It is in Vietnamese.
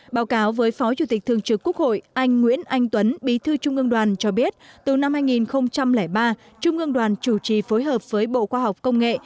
báo cáo với phó chủ tịch thường trực quốc hội anh nguyễn anh tuấn bí thư trung ương đoàn cho biết từ năm hai nghìn ba trung ương đoàn chủ trì phối hợp với bộ khoa học công nghệ